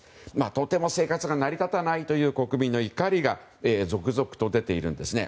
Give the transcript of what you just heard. とても生活が成り立たないという国民の怒りが続々と出ているんですね。